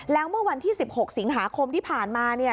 แล้วเมื่อวันที่๑๖สิงหาคมที่ผ่านมาเนี่ย